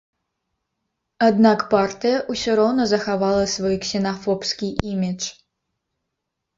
Аднак партыя ўсё роўна захавала свой ксенафобскі імідж.